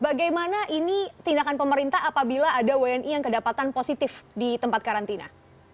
bagaimana ini tindakan pemerintah apabila ada wni yang kedapatan positif di tempat karantina